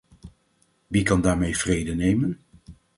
Wie kan daarmee vrede nemen?